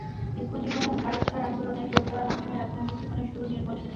স্কুলজীবনে ভারত ছাড় আন্দোলনে যোগ দেওয়ার মাধ্যমে রাজনৈতিক জীবনের শুরু নির্মল সেনের।